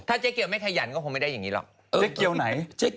ถ้าเจ๊เกียวไม่ขยันก็ผมไม่ได้อย่างนี้หรอก